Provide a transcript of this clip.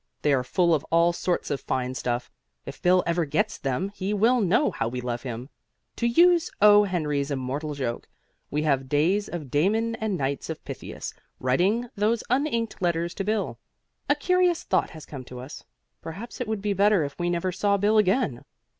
They are full of all sorts of fine stuff. If Bill ever gets them he will know how we love him. To use O. Henry's immortal joke, we have days of Damon and Knights of Pythias writing those uninked letters to Bill. A curious thought has come to us. Perhaps it would be better if we never saw Bill again.